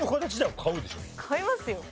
買いますよ。